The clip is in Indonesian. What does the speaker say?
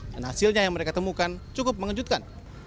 dan hasilnya yang mereka temukan cukup mengejutkan